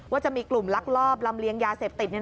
จะมีกลุ่มลักลอบลำเลียงยาเสพติด